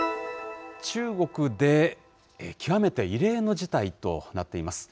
中国で極めて異例の事態となっています。